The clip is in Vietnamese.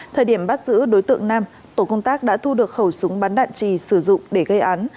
thời điểm bắt giữ đối tượng nam tổ công tác đã thu được khẩu súng bắn đạn trì sử dụng để gây án